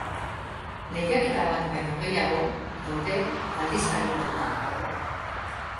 Lehiaketa bat baino gehiago daude aldizkari horretan.